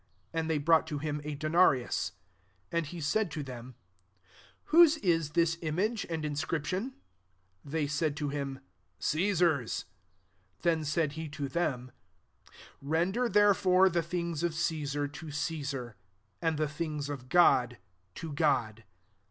And they brought to him a denarius. SO And he said to them, "Whose is this image and in scription ?" £1 They said to liim « Cesar's." Then said he to them, " Render therefore the things of Cesar, to Cesar ; and the things of God, to God."